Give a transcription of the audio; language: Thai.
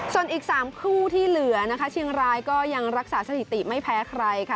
ส่วนอีก๓คู่ที่เหลือนะคะเชียงรายก็ยังรักษาสถิติไม่แพ้ใครค่ะ